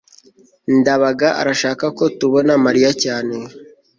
ndabaga arashaka ko tubona mariya cyane